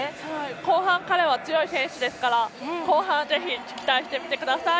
後半彼は強い選手ですから後半ぜひ期待してみてください。